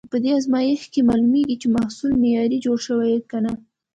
په دې ازمېښت کې معلومېږي، چې محصول معیاري جوړ شوی که نه.